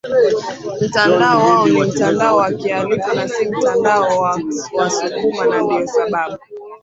mtandao wao ni mtandao wa kihalifu na si mtandao wa wasukuma Na ndio sababu